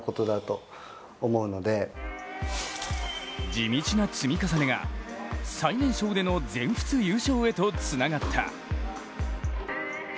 地道な積み重ねが最年少での全仏優勝へとつながった。